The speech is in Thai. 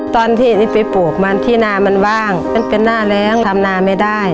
ตอนที่อันนี้ไปปลูกมันที่นามันว่างมันเป็นหน้าแรงทำนาไม่ได้